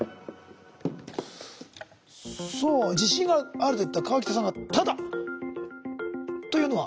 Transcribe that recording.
さあ自信があると言った河北さんが「ただ」というのは？